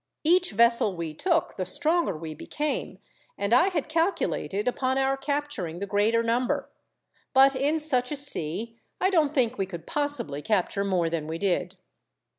Each vessel we took, the stronger we became, and I had calculated upon our capturing the greater number. But in such a sea, I don't think we could possibly capture more than we did."